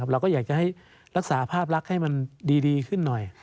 เราก็อยากจะให้รักษาภาพลักษณ์ให้มันดีขึ้นหน่อย